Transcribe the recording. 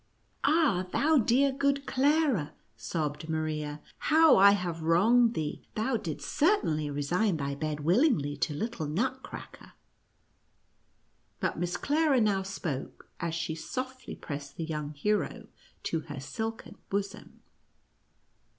" Ah, thou dear, good Clara," sobbed Maria, " how I have wronged thee ! Thou didst certainly resign thy bed willingly to little Nut cracker." But Miss Clara now spoke, as she softly pressed the young hero to her silken bosom.